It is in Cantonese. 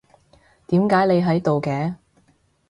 點解你喺度嘅？